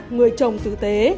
người chồng tử tế